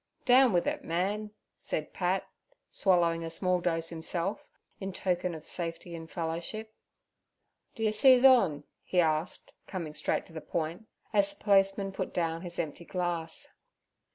'Down with it, mann' said Pat, swallowing a small dose himself, in token of safety and fellowship. 'D'ye see thon?' he asked, coming straight to the point, as the policeman put down his empty glass.